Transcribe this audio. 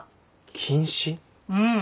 うん。